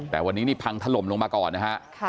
แต่วันนี้นี่พังถล่มลงมาก่อนนะฮะ